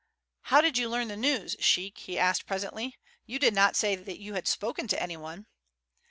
"How did you learn the news, sheik?" he asked presently. "You did not say that you had spoken to anyone."